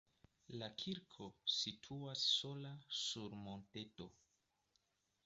La kirko situas sola sur monteto.